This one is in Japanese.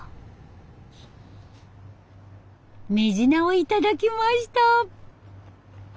メジナを頂きました。